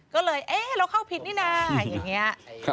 ก็เลยเอ๊ะเราเข้าผิดนี่นะอย่างนี้